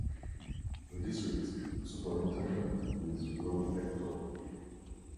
The district's superintendent is Will Ector.